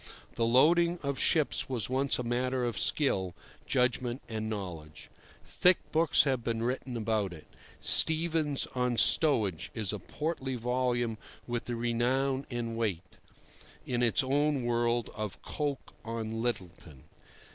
The loading of ships was once a matter of skill, judgment, and knowledge. Thick books have been written about it. "Stevens on Stowage" is a portly volume with the renown and weight (in its own world) of Coke on Littleton.